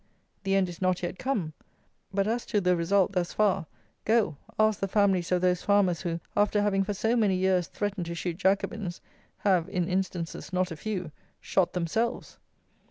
The end is not yet come; but as to the result thus far, go, ask the families of those farmers who, after having for so many years threatened to shoot Jacobins, have, in instances not a few, shot themselves!